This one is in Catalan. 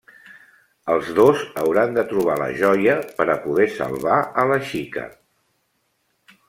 Els dos hauran de trobar la joia per a poder salvar a la xica.